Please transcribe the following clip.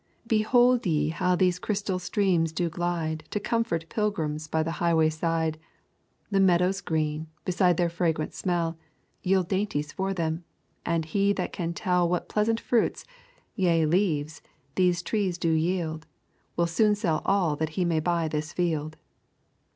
Behold ye how these crystal streams do glide To comfort pilgrims by the highway side; The meadows green, besides their fragrant smell, Yield dainties for them: And he that can tell What pleasant fruits, yea leaves, these trees do yield, Will soon sell all that he may buy this field.